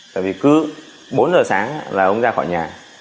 tại vì cứ bốn giờ sáng là ông ra khỏi nhà